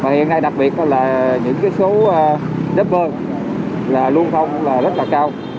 hiện nay đặc biệt là những số đếp vơ lưu thông rất là cao